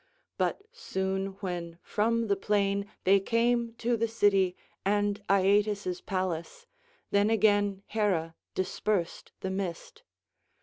But soon when from the plain they came to the city and Aeetes' palace, then again Hera dispersed the mist.